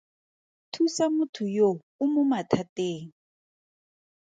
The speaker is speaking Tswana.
Thusa motho yo o mo mathateng.